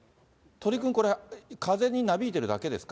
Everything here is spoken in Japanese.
鳥くん、これ、風になびいてるだけですか？